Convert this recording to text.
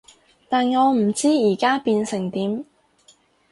但我唔知而家變成點